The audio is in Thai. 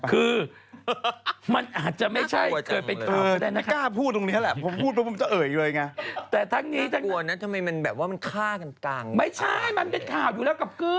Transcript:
คือมันอาจจะไม่ใช่เกิดเป็นข่าวก็ได้นะครับ